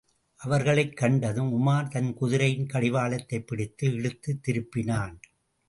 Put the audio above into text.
அவர்களைக் கண்டதும், உமார் தன் குதிரையின் கடிவாளத்தைப் பிடித்து இழுத்துத் திருப்பினான்.